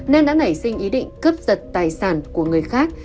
nên đã nảy sinh ý định cướp giật tài sản của người khác